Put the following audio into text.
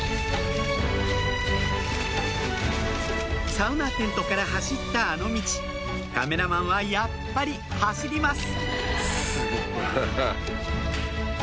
サウナテントから走ったあの道カメラマンはやっぱり走ります